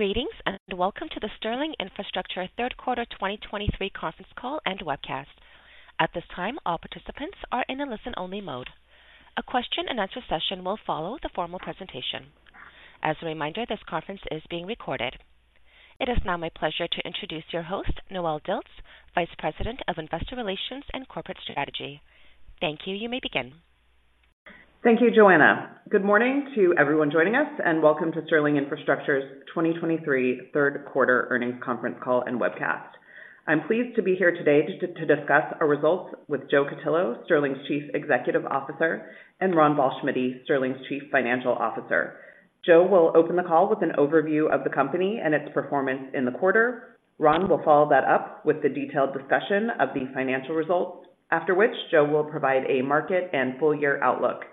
Greetings, and welcome to the Sterling Infrastructure Q3 2023 Conference Call and Webcast. At this time, all participants are in a listen-only mode. A question-and-answer session will follow the formal presentation. As a reminder, this conference is being recorded. It is now my pleasure to introduce your host, Noelle Dilts, Vice President of Investor Relations and Corporate Strategy. Thank you. You may begin. Thank you, Joanna. Good morning to everyone joining us, and welcome to Sterling Infrastructure's 2023 Q3 Earnings Conference Call and Webcast. I'm pleased to be here today to discuss our results with Joe Cutillo, Sterling's Chief Executive Officer, and Ron Ballschmiede, Sterling's Chief Financial Officer. Joe will open the call with an overview of the company and its performance in the quarter. Ron will follow that up with the detailed discussion of the financial results. After which, Joe will provide a market and full year outlook.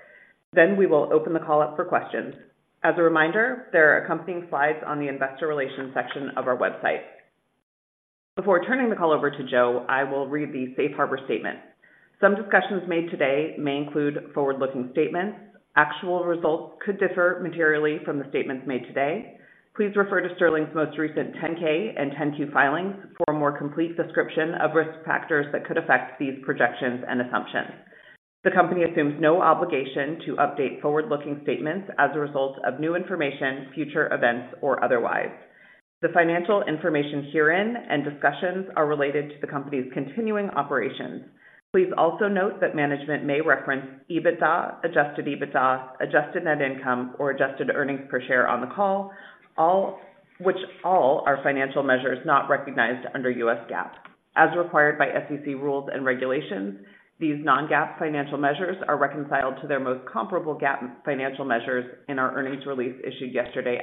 Then we will open the call up for questions. As a reminder, there are accompanying slides on the investor relations section of our website. Before turning the call over to Joe, I will read the safe harbor statement. Some discussions made today may include forward-looking statements. Actual results could differ materially from the statements made today. Please refer to Sterling's most recent 10-K and 10-Q filings for a more complete description of risk factors that could affect these projections and assumptions. The company assumes no obligation to update forward-looking statements as a result of new information, future events, or otherwise. The financial information herein and discussions are related to the company's continuing operations. Please also note that management may reference EBITDA, adjusted EBITDA, adjusted net income, or adjusted earnings per share on the call. All of which are financial measures not recognized under U.S. GAAP. As required by SEC rules and regulations, these non-GAAP financial measures are reconciled to their most comparable GAAP financial measures in our earnings release issued yesterday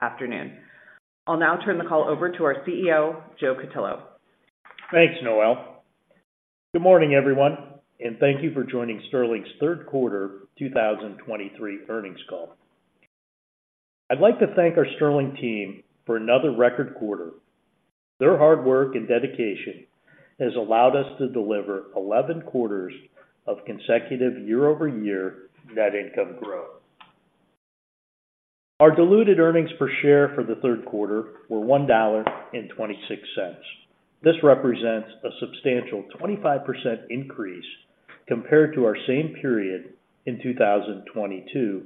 afternoon. I'll now turn the call over to our CEO, Joe Cutillo. Thanks, Noelle. Good morning, everyone, and thank you for joining Sterling's Q3 2023 earnings call. I'd like to thank our Sterling team for another record quarter. Their hard work and dedication has allowed us to deliver 11 quarters of consecutive year-over-year net income growth. Our diluted earnings per share for the Q3 were $1.26. This represents a substantial 25% increase compared to our same period in 2022,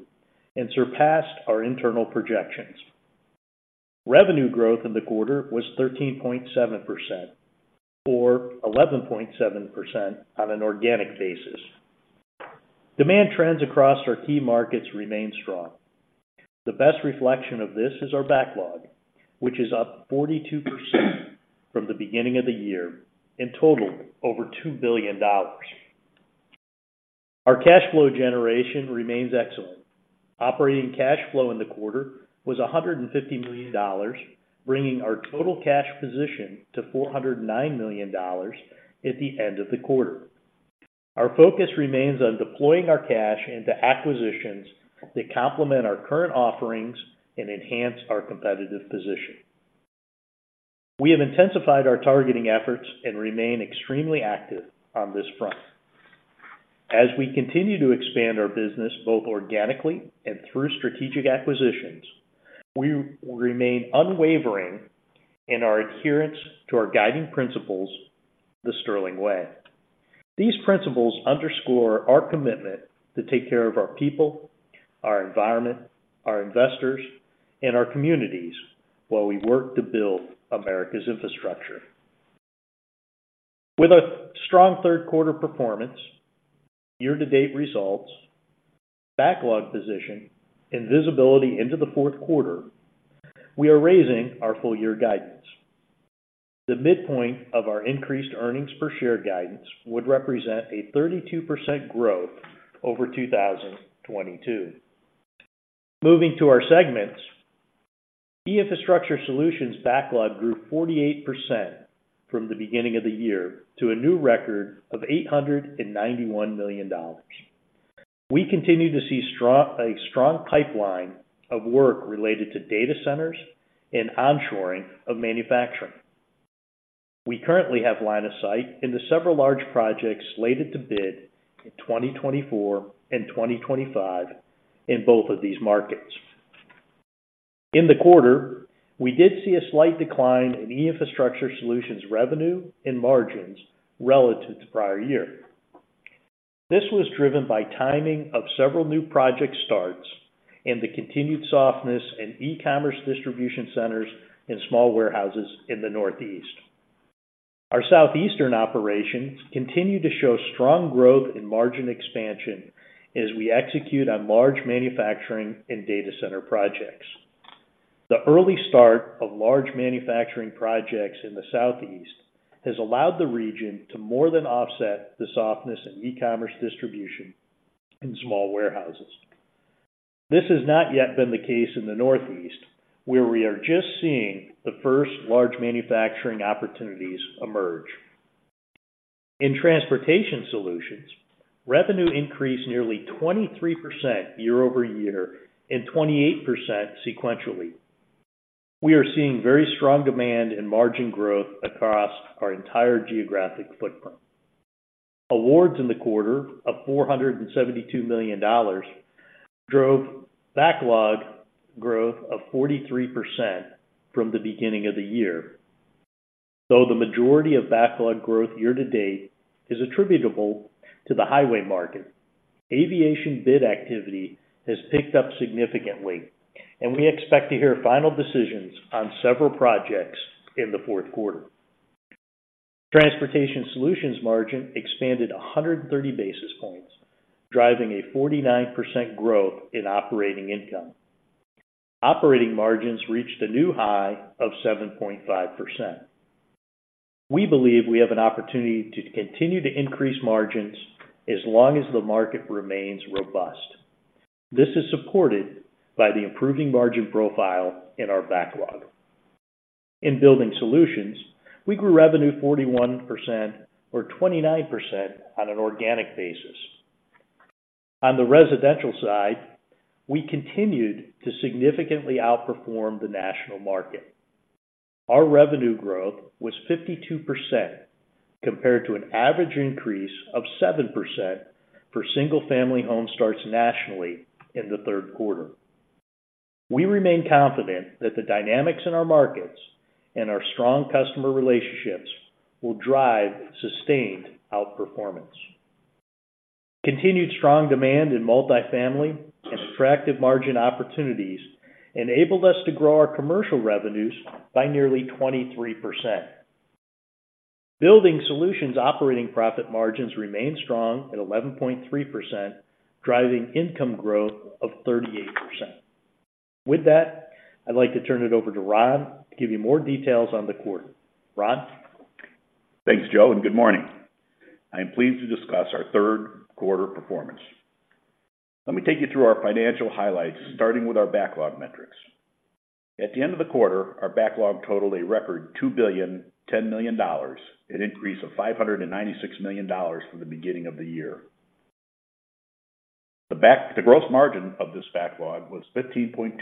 and surpassed our internal projections. Revenue growth in the quarter was 13.7% or 11.7% on an organic basis. Demand trends across our key markets remain strong. The best reflection of this is our backlog, which is up 42% from the beginning of the year and totaled over $2 billion. Our cash flow generation remains excellent. Operating cash flow in the quarter was $150 million, bringing our total cash position to $409 million at the end of the quarter. Our focus remains on deploying our cash into acquisitions that complement our current offerings and enhance our competitive position. We have intensified our targeting efforts and remain extremely active on this front. As we continue to expand our business, both organically and through strategic acquisitions, we remain unwavering in our adherence to our guiding principles, The Sterling Way. These principles underscore our commitment to take care of our people, our environment, our investors, and our communities while we work to build America's infrastructure. With a strong Q3 performance, year-to-date results, backlog position, and visibility into the Q4, we are raising our full year guidance. The midpoint of our increased earnings per share guidance would represent a 32% growth over 2022. Moving to our segments, E-Infrastructure Solutions backlog grew 48% from the beginning of the year to a new record of $891 million. We continue to see a strong pipeline of work related to data centers and onshoring of manufacturing. We currently have line of sight into several large projects slated to bid in 2024 and 2025 in both of these markets. In the quarter, we did see a slight decline in E-Infrastructure Solutions revenue and margins relative to prior year. This was driven by timing of several new project starts and the continued softness in e-commerce distribution centers and small warehouses in the Northeast. Our Southeastern operations continue to show strong growth and margin expansion as we execute on large manufacturing and data center projects. The early start of large manufacturing projects in the Southeast has allowed the region to more than offset the softness in e-commerce distribution in small warehouses. This has not yet been the case in the Northeast, where we are just seeing the first large manufacturing opportunities emerge. In Transportation Solutions, revenue increased nearly 23% year-over-year and 28% sequentially. We are seeing very strong demand and margin growth across our entire geographic footprint. Awards in the quarter of $472 million drove backlog growth of 43% from the beginning of the year. Though the majority of backlog growth year-to-date is attributable to the highway market, aviation bid activity has picked up significantly, and we expect to hear final decisions on several projects in the Q4. Transportation Solutions margin expanded 130 basis points, driving a 49% growth in operating income. Operating margins reached a new high of 7.5%. We believe we have an opportunity to continue to increase margins as long as the market remains robust. This is supported by the improving margin profile in our backlog. In Building Solutions, we grew revenue 41% or 29% on an organic basis. On the residential side, we continued to significantly outperform the national market. Our revenue growth was 52%, compared to an average increase of 7% for single-family home starts nationally in the Q3. We remain confident that the dynamics in our markets and our strong customer relationships will drive sustained outperformance. Continued strong demand in multifamily and attractive margin opportunities enabled us to grow our commercial revenues by nearly 23%. Building Solutions operating profit margins remained strong at 11.3%, driving income growth of 38%. With that, I'd like to turn it over to Ron to give you more details on the quarter. Ron? Thanks, Joe, and good morning. I am pleased to discuss our Q3 performance. Let me take you through our financial highlights, starting with our backlog metrics. At the end of the quarter, our backlog totaled a record $2.01 billion, an increase of $596 million from the beginning of the year. The gross margin of this backlog was 15.2%,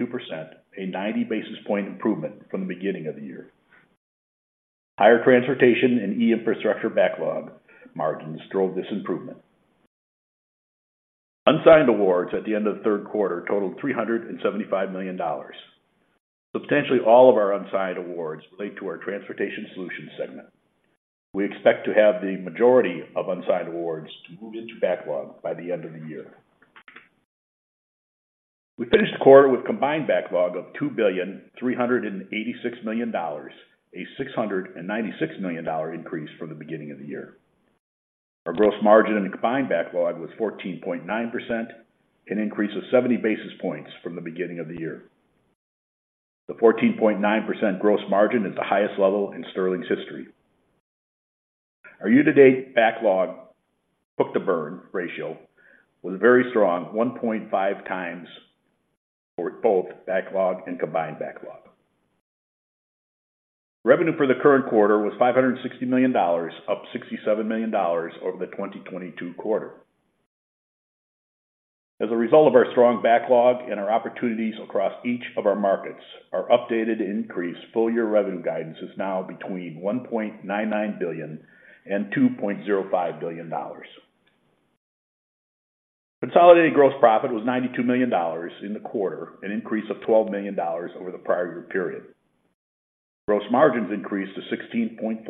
a 90 basis point improvement from the beginning of the year. Higher transportation and E-infrastructure backlog margins drove this improvement. Unsigned awards at the end of the Q3 totaled $375 million. Substantially all of our unsigned awards relate to our Transportation Solutions segment. We expect to have the majority of unsigned awards to move into backlog by the end of the year. We finished the quarter with combined backlog of $2.386 billion, a $696 million increase from the beginning of the year. Our gross margin in the combined backlog was 14.9%, an increase of 70 basis points from the beginning of the year. The 14.9% gross margin is the highest level in Sterling's history. Our year-to-date backlog book-to-burn ratio was a very strong 1.5 times for both backlog and combined backlog. Revenue for the current quarter was $560 million, up $67 million over the 2022 quarter. As a result of our strong backlog and our opportunities across each of our markets, our updated increased full-year revenue guidance is now between $1.99 billion and $2.05 billion. Consolidated gross profit was $92 million in the quarter, an increase of $12 million over the prior year period. Gross margins increased to 16.4%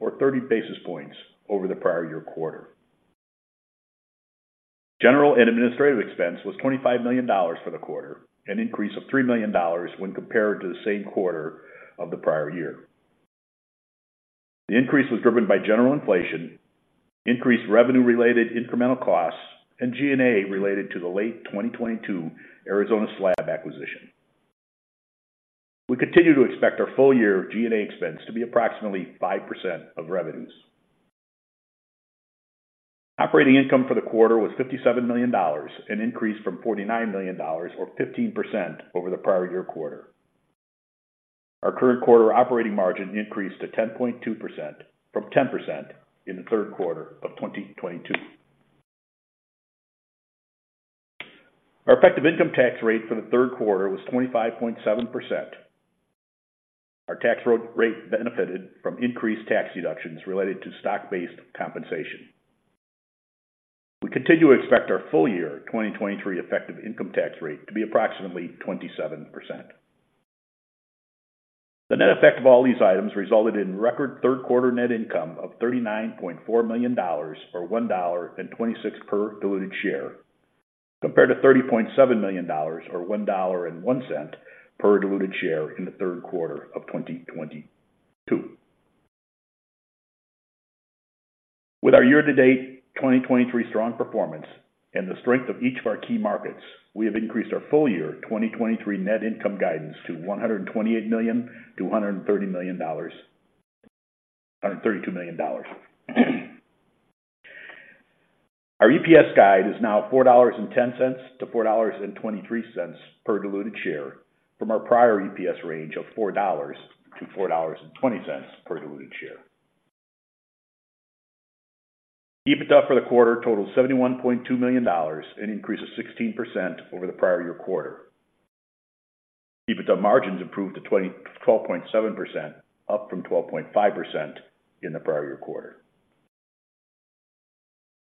or 30 basis points over the prior year quarter. General and administrative expense was $25 million for the quarter, an increase of $3 million when compared to the same quarter of the prior year. The increase was driven by general inflation, increased revenue-related incremental costs, and G&A related to the late 2022 Arizona slab acquisition. We continue to expect our full year G&A expense to be approximately 5% of revenues. Operating income for the quarter was $57 million, an increase from $49 million, or 15% over the prior year quarter. Our current quarter operating margin increased to 10.2% from 10% in the Q3 of 2022. Our effective income tax rate for the Q3 was 25.7%. Our tax rate benefited from increased tax deductions related to stock-based compensation. We continue to expect our full year 2023 effective income tax rate to be approximately 27%. The net effect of all these items resulted in record Q3 net income of $39.4 million, or $1.26 per diluted share, compared to $30.7 million or $1.01 per diluted share in the Q3 of 2022. With our year-to-date 2023 strong performance and the strength of each of our key markets, we have increased our full year 2023 net income guidance to $128 million-$132 million. Our EPS guide is now $4.10-$4.23 per diluted share from our prior EPS range of $4.00-$4.20 per diluted share. EBITDA for the quarter totaled $71.2 million, an increase of 16% over the prior year quarter. EBITDA margins improved to 12.7%, up from 12.5% in the prior quarter.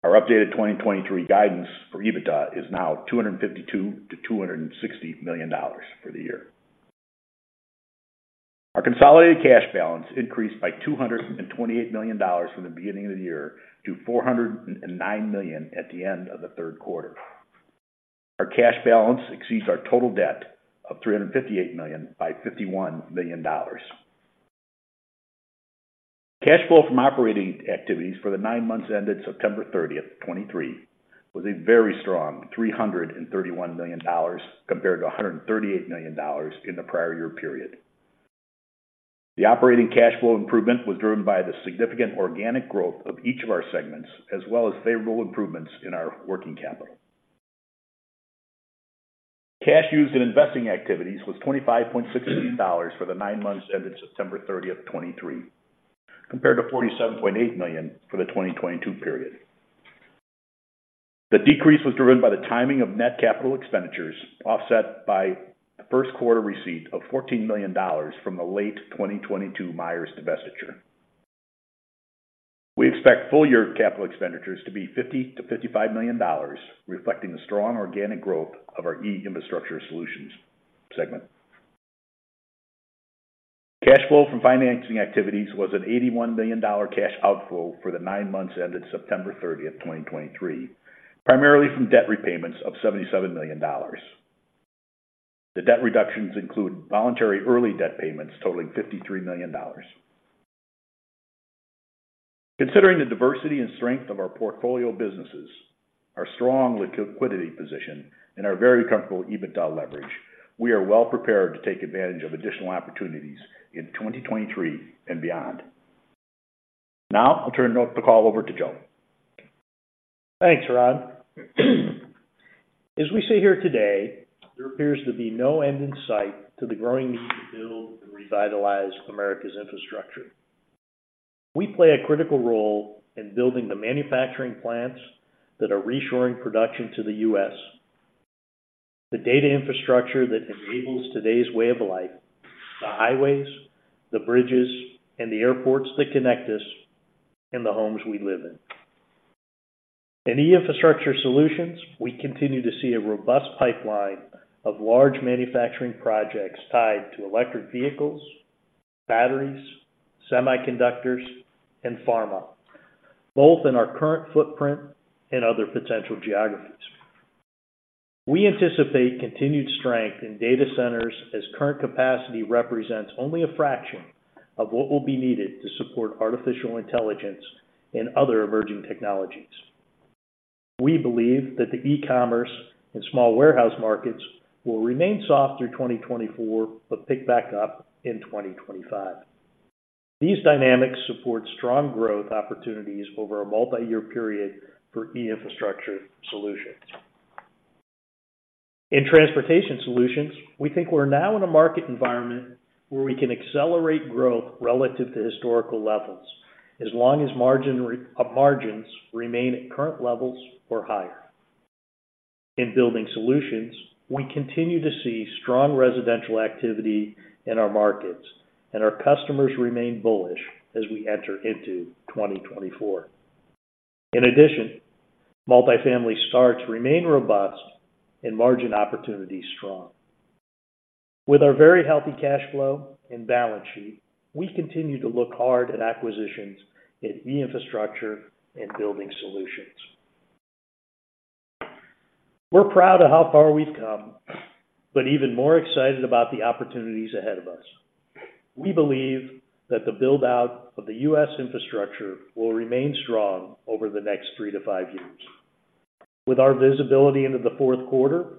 Our updated 2023 guidance for EBITDA is now $252 million-$260 million for the year. Our consolidated cash balance increased by $228 million from the beginning of the year to $409 million at the end of the Q3. Our cash balance exceeds our total debt of $358 million by $51 million. Cash flow from operating activities for the nine months ended September 30, 2023, was a very strong $331 million, compared to $138 million in the prior year period. The operating cash flow improvement was driven by the significant organic growth of each of our segments, as well as favorable improvements in our working capital. Cash used in investing activities was $25.16 million for the nine months ended September 30, 2023, compared to $47.8 million for the 2022 period. The decrease was driven by the timing of net capital expenditures, offset by the Q1 receipt of $14 million from the late 2022 Myers divestiture. We expect full year capital expenditures to be $50 million-$55 million, reflecting the strong organic growth of our E-Infrastructure Solutions segment. Cash flow from financing activities was a $81 million cash outflow for the nine months ended September 30, 2023, primarily from debt repayments of $77 million. The debt reductions include voluntary early debt payments totaling $53 million. Considering the diversity and strength of our portfolio businesses, our strong liquidity position, and our very comfortable EBITDA leverage, we are well prepared to take advantage of additional opportunities in 2023 and beyond. Now I'll turn the call over to Joe. Thanks, Ron. As we sit here today, there appears to be no end in sight to the growing need to build and revitalize America's infrastructure. We play a critical role in building the manufacturing plants that are reshoring production to the U.S., the data infrastructure that enables today's way of life, the highways, the bridges, and the airports that connect us, and the homes we live in. In E-Infrastructure Solutions, we continue to see a robust pipeline of large manufacturing projects tied to electric vehicles, batteries, semiconductors, and pharma, both in our current footprint and other potential geographies. We anticipate continued strength in data centers, as current capacity represents only a fraction of what will be needed to support artificial intelligence and other emerging technologies. We believe that the e-commerce and small warehouse markets will remain soft through 2024, but pick back up in 2025. These dynamics support strong growth opportunities over a multi-year period for E-Infrastructure Solutions. In Transportation Solutions, we think we're now in a market environment where we can accelerate growth relative to historical levels, as long as margins remain at current levels or higher. In Building Solutions, we continue to see strong residential activity in our markets, and our customers remain bullish as we enter into 2024. In addition, multifamily starts remain robust and margin opportunities strong. With our very healthy cash flow and balance sheet, we continue to look hard at acquisitions in E-Infrastructure and Building Solutions. We're proud of how far we've come, but even more excited about the opportunities ahead of us. We believe that the build-out of the U.S. infrastructure will remain strong over the next three to five years. With our visibility into the Q4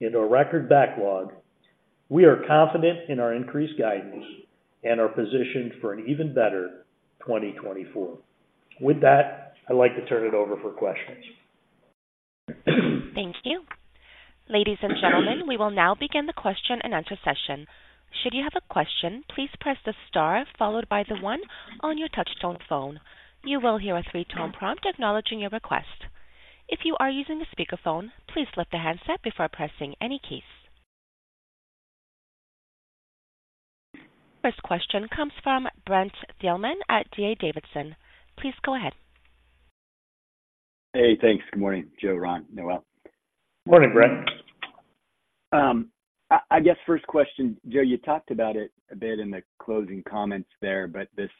into a record backlog, we are confident in our increased guidance and are positioned for an even better 2024. With that, I'd like to turn it over for questions. Thank you. Ladies and gentlemen, we will now begin the question-and-answer session. Should you have a question, please press the star followed by the one on your touch-tone phone. You will hear a three-tone prompt acknowledging your request. If you are using a speakerphone, please lift the handset before pressing any keys. First question comes from Brent Thielman at D.A. Davidson. Please go ahead. Hey, thanks. Good morning, Joe, Ron, Noelle. Morning, Brent. I guess first question, Joe, you talked about it a bit in the closing comments there, but this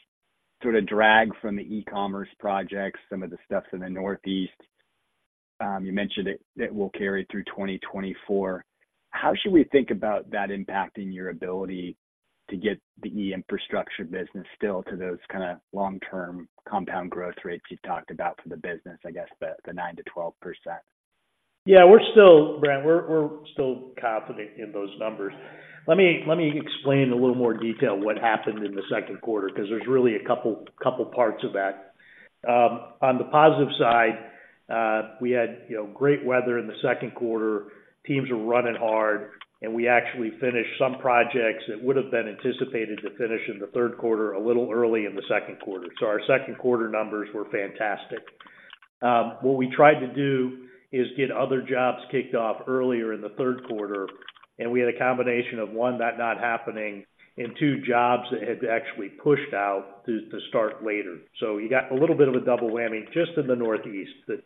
sort of drag from the e-commerce projects, some of the stuff in the Northeast, you mentioned it, it will carry through 2024. How should we think about that impacting your ability to get the E-Infrastructure business still to those kind of long-term compound growth rates you talked about for the business, I guess, the 9%-12%? Yeah, we're still, Brent, confident in those numbers. Let me explain in a little more detail what happened in the Q2, because there's really a couple parts of that. On the positive side, we had, you know, great weather in the Q2. Teams were running hard, and we actually finished some projects that would have been anticipated to finish in the Q3, a little early in the Q2. So our Q2 numbers were fantastic. What we tried to do is get other jobs kicked off earlier in the Q3, and we had a combination of, one, that not happening, and two, jobs that had actually pushed out to start later. So you got a little bit of a double whammy just in the Northeast that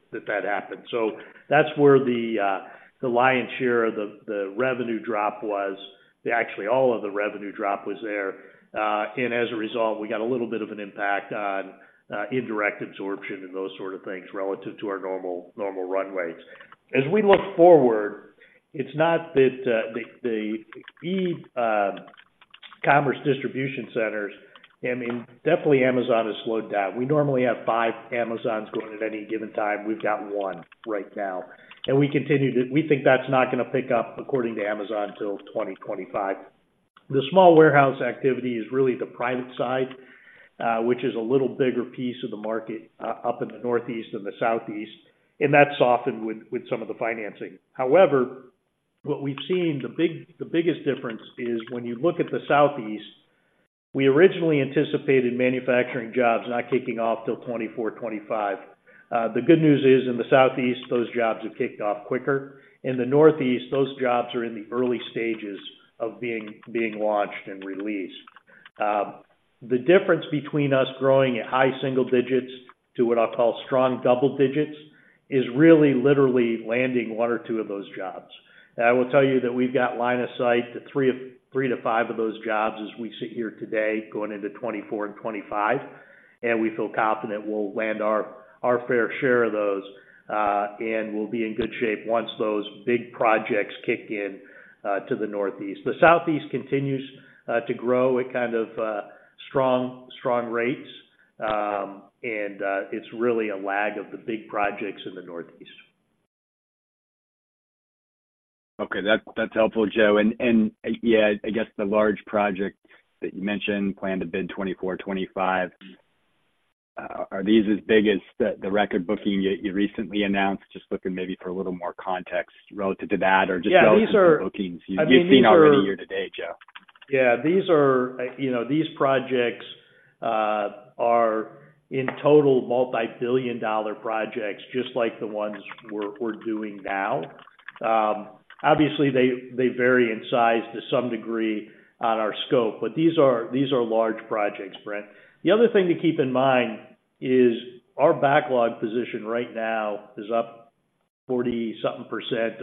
happened. So that's where the lion's share of the revenue drop was. Actually, all of the revenue drop was there. And as a result, we got a little bit of an impact on indirect absorption and those sort of things relative to our normal runways. As we look forward, it's not that the e-commerce distribution centers, I mean, definitely Amazon has slowed down. We normally have 5 Amazons going at any given time. We've got 1 right now, and we continue to, we think that's not gonna pick up according to Amazon, until 2025. The small warehouse activity is really the private side, which is a little bigger piece of the market, up in the Northeast and the Southeast, and that's softened with some of the financing. However, what we've seen, the biggest difference is when you look at the Southeast, we originally anticipated manufacturing jobs not kicking off till 2024, 2025. The good news is, in the Southeast, those jobs have kicked off quicker. In the Northeast, those jobs are in the early stages of being launched and released. The difference between us growing at high single digits to what I'll call strong double digits is really literally landing one or two of those jobs. And I will tell you that we've got line of sight to three to five of those jobs as we sit here today, going into 2024 and 2025. And we feel confident we'll land our fair share of those, and we'll be in good shape once those big projects kick in to the Northeast. The Southeast continues to grow at kind of strong, strong rates. It's really a lag of the big projects in the Northeast. Okay. That's, that's helpful, Joe. And, and, yeah, I guess the large project that you mentioned, planned to bid 2024, 2025, are these as big as the record booking you recently announced? Just looking maybe for a little more context relative to that, or just- Yeah, these are- Bookings you've seen already year to date, Joe. Yeah, these are, you know, these projects are in total multibillion-dollar projects, just like the ones we're doing now. Obviously, they vary in size to some degree on our scope, but these are large projects, Brent. The other thing to keep in mind is our backlog position right now is up 40-something%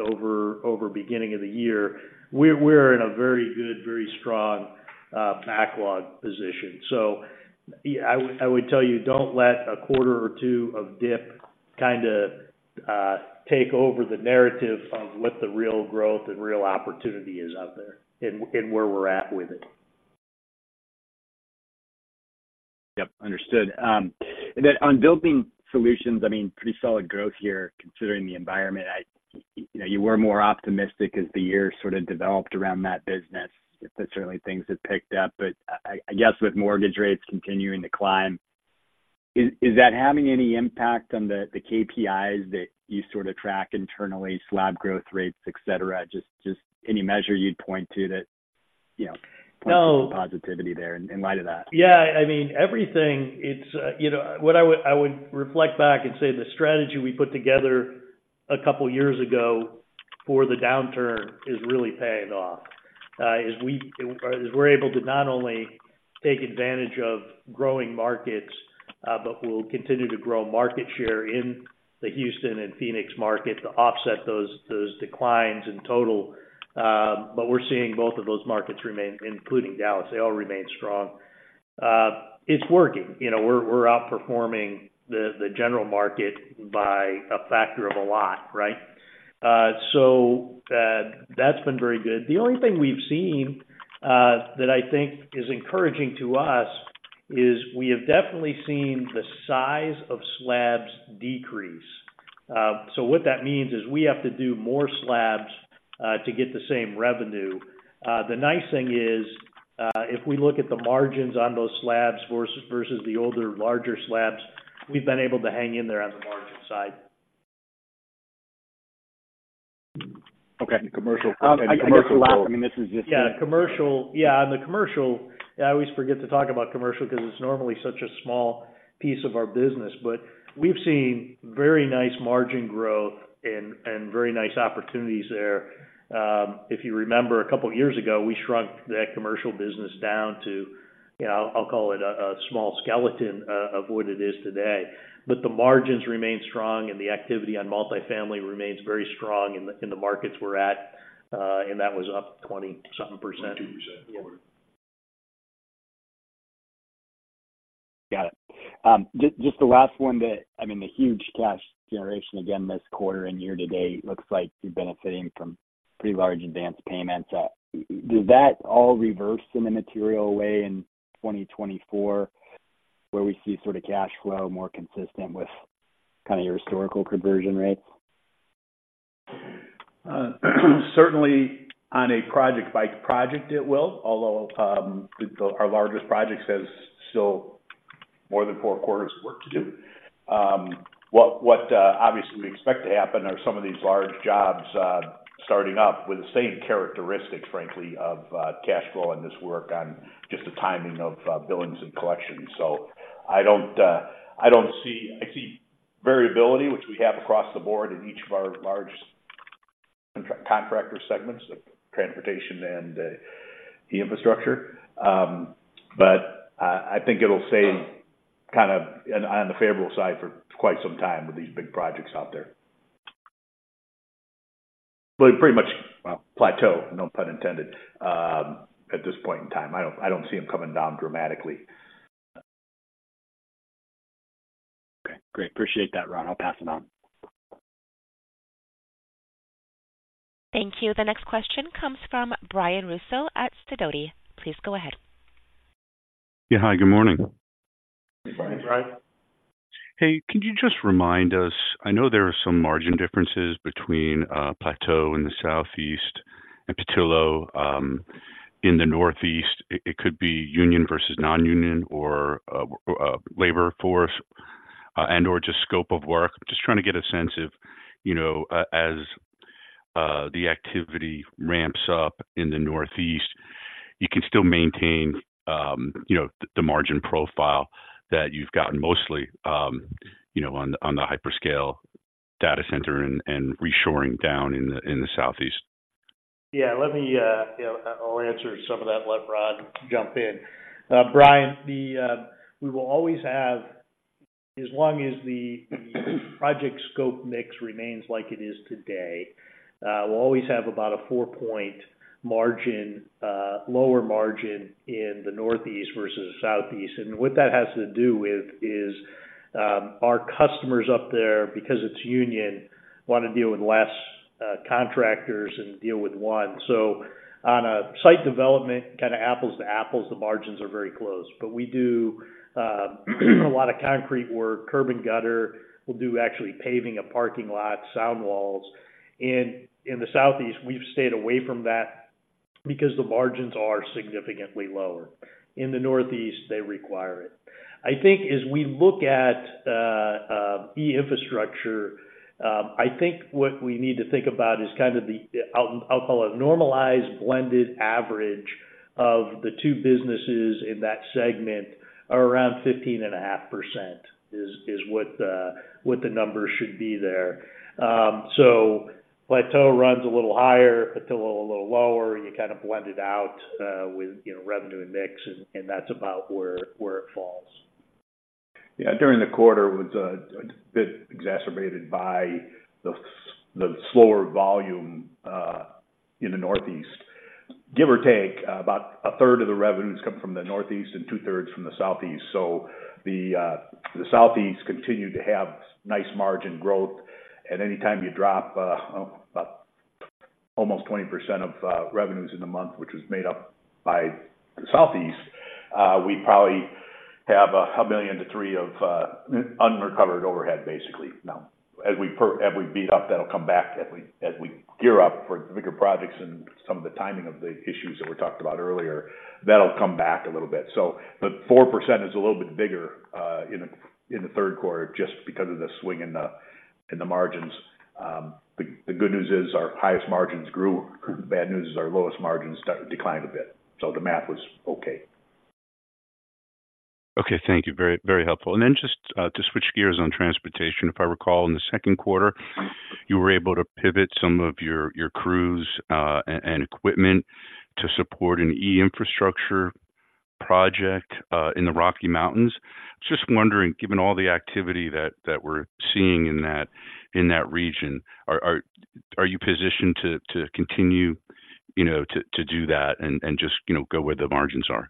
over beginning of the year. We're in a very good, very strong backlog position. So yeah, I would tell you, don't let a quarter or two of dip kinda take over the narrative of what the real growth and real opportunity is out there and where we're at with it. Yep, understood. And then on Building Solutions, I mean, pretty solid growth here, considering the environment. You know, you were more optimistic as the year sort of developed around that business. But certainly, things have picked up. But I guess, with mortgage rates continuing to climb, is that having any impact on the KPIs that you sort of track internally, slab growth rates, et cetera? Just any measure you'd point to that, you know- No- Points to the positivity there in light of that? Yeah, I mean, everything, it's you know, what I would reflect back and say the strategy we put together a couple of years ago for the downturn is really paying off. As we're able to not only take advantage of growing markets, but we'll continue to grow market share in the Houston and Phoenix market to offset those declines in total. But we're seeing both of those markets remain, including Dallas, they all remain strong. It's working. You know, we're outperforming the general market by a factor of a lot, right? So, that's been very good. The only thing we've seen that I think is encouraging to us is we have definitely seen the size of slabs decrease. So what that means is we have to do more slabs to get the same revenue. The nice thing is, if we look at the margins on those slabs versus the older, larger slabs, we've been able to hang in there on the margin side. Okay. Commercial. I guess the last, I mean, this is just- Yeah, commercial. Yeah, on the commercial, I always forget to talk about commercial because it's normally such a small piece of our business, but we've seen very nice margin growth and, and very nice opportunities there. If you remember, a couple of years ago, we shrunk that commercial business down to, you know, I'll call it a small skeleton of what it is today. But the margins remain strong, and the activity on multifamily remains very strong in the markets we're at, and that was up 20-something%. 20%, yeah. Got it. Just the last one—I mean, the huge cash generation, again, this quarter and year to date, looks like you're benefiting from pretty large advanced payments. Does that all reverse in a material way in 2024, where we see sort of cash flow more consistent with kind of your historical conversion rates? Certainly on a project by project, it will. Although, our largest projects has still- more than four quarters of work to do. What, obviously we expect to happen are some of these large jobs, starting up with the same characteristics, frankly, of, cash flow and this work on just the timing of, billings and collections. So I don't, I don't see—I see variability, which we have across the board in each of our large contractor segments of Transportation and, E-Infrastructure. But, I think it'll stay kind of on, on the favorable side for quite some time with these big projects out there. Well, pretty much, well, plateau, no pun intended, at this point in time, I don't, I don't see them coming down dramatically. Okay, great. Appreciate that, Ron. I'll pass it on. Thank you. The next question comes from Brian Russo at Sidoti. Please go ahead. Yeah, hi, good morning. Good morning, Brian. Hey, could you just remind us... I know there are some margin differences between Plateau in the Southeast and Petillo in the Northeast. It could be union versus non-union or labor force and/or just scope of work. I'm just trying to get a sense of, you know, as the activity ramps up in the Northeast, you can still maintain, you know, the margin profile that you've gotten mostly, you know, on the hyperscale data center and reshoring down in the Southeast. Yeah, let me, you know, I'll answer some of that and let Ron jump in. Brian, the, we will always have, as long as the, the project scope mix remains like it is today, we'll always have about a 4-point margin, lower margin in the Northeast versus Southeast. And what that has to do with is, our customers up there, because it's union, want to deal with less, contractors and deal with one. So on a site development, kind of apples to apples, the margins are very close. But we do, a lot of concrete work, curb and gutter. We'll do actually paving a parking lot, sound walls. In, the Southeast, we've stayed away from that because the margins are significantly lower. In the Northeast, they require it. I think as we look at E-infrastructure, I think what we need to think about is kind of the, I'll call it normalized, blended average of the two businesses in that segment are around 15.5%, is what the numbers should be there. So Plateau runs a little higher, Petillo a little lower. You kind of blend it out with you know revenue and mix, and that's about where it falls. Yeah, during the quarter was a bit exacerbated by the slower volume in the Northeast. Give or take, about a third of the revenues come from the Northeast and two-thirds from the Southeast. So the Southeast continued to have nice margin growth, and anytime you drop about almost 20% of revenues in a month, which was made up by the Southeast, we probably have $1 million-$3 million of unrecovered overhead, basically. Now, as we build up, that'll come back as we gear up for bigger projects and some of the timing of the issues that were talked about earlier, that'll come back a little bit. So the 4% is a little bit bigger in the Q3, just because of the swing in the margins. The good news is our highest margins grew. Bad news is our lowest margins declined a bit, so the math was okay. Okay, thank you. Very, very helpful. And then just to switch gears on Transportation, if I recall, in the Q2, you were able to pivot some of your crews and equipment to support an E-infrastructure project in the Rocky Mountains. Just wondering, given all the activity that we're seeing in that region, are you positioned to continue, you know, to do that and just, you know, go where the margins are?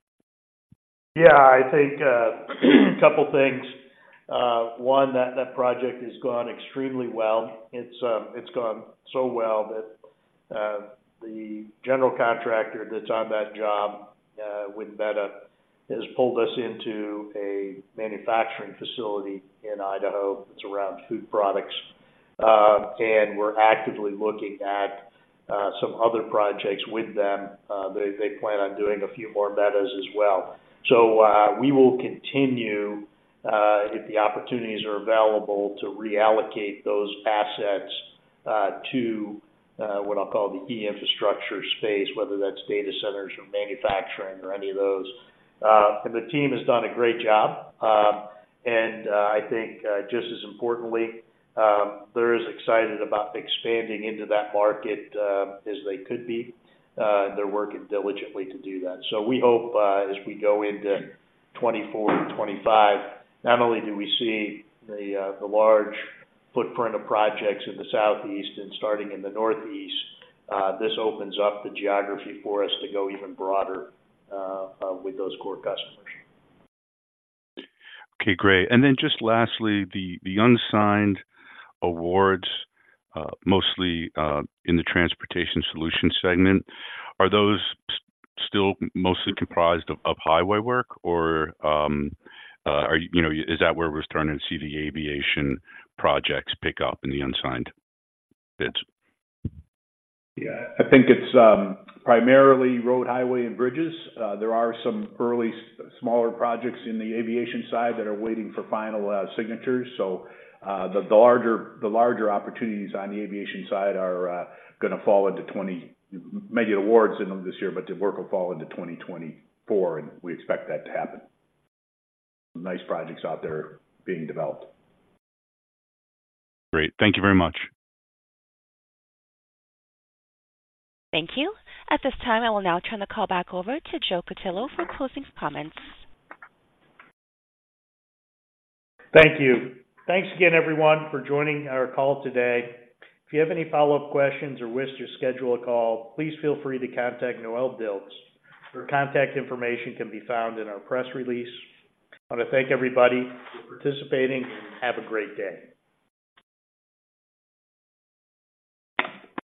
Yeah, I think, a couple of things. One, that project has gone extremely well. It's, it's gone so well that, the general contractor that's on that job, with Meta, has pulled us into a manufacturing facility in Idaho that's around food products. And we're actively looking at, some other projects with them. They, they plan on doing a few more Metas as well. So, we will continue, if the opportunities are available, to reallocate those assets, to, what I'll call the E-Infrastructure space, whether that's data centers or manufacturing or any of those. And the team has done a great job. And, I think, just as importantly, they're as excited about expanding into that market, as they could be. They're working diligently to do that. So we hope, as we go into 2024 and 2025, not only do we see the large footprint of projects in the Southeast and starting in the Northeast, this opens up the geography for us to go even broader, with those core customers. Okay, great. And then just lastly, the unsigned awards, mostly in the Transportation Solutions segment, are those still mostly comprised of highway work, or, you know, is that where we're starting to see the aviation projects pick up in the unsigned bids? Yeah, I think it's primarily road, highway, and bridges. There are some early smaller projects in the aviation side that are waiting for final signatures. So, the larger opportunities on the aviation side are gonna fall into 2024, maybe awards in them this year, but the work will fall into 2024, and we expect that to happen. Nice projects out there being developed. Great. Thank you very much. Thank you. At this time, I will now turn the call back over to Joe Cutillo for closing comments. Thank you. Thanks again, everyone, for joining our call today. If you have any follow-up questions or wish to schedule a call, please feel free to contact Noelle Dilts. Her contact information can be found in our press release. I want to thank everybody for participating, and have a great day.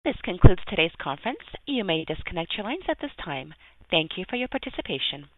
This concludes today's conference. You may disconnect your lines at this time. Thank you for your participation.